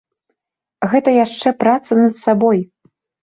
Гэта яшчэ праца над сабой.